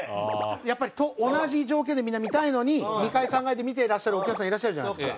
やっぱり同じ条件でみんな見たいのに２階３階で見ていらっしゃるお客さんいらっしゃるじゃないですか。